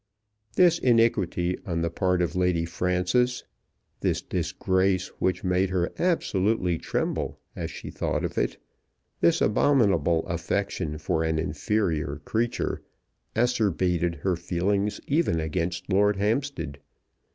This iniquity on the part of Lady Frances, this disgrace which made her absolutely tremble as she thought of it, this abominable affection for an inferior creature, acerbated her feelings even against Lord Hampstead.